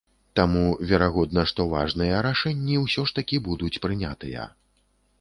Таму верагодна, што важныя рашэнні ўсё ж такі будуць прынятыя.